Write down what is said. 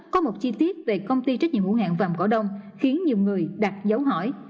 có một chi tiết về công ty trách nhiệm hữu hạng vàm cỏ đông khiến nhiều người đặt dấu hỏi